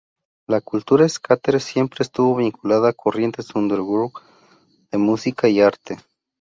La cultura skater siempre estuvo vinculada a corrientes underground de música y arte.